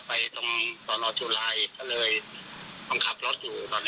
อ๋อเป็นน้องสาวค่ะ